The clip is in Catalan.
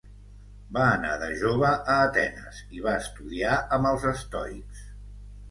Va anar de jove a Atenes i va estudiar amb els estoics.